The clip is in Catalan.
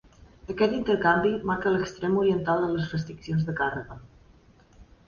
Aquest intercanvi marca l'extrem oriental de les restriccions de càrrega.